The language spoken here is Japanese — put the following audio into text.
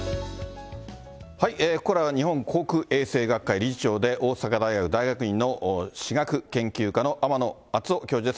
ここからは日本口腔衛生学会理事長で大阪大学大学院の歯学研究科の天野敦雄教授です。